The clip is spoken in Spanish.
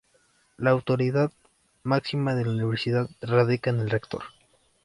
La autoridad máxima de la Universidad radica en el Rector.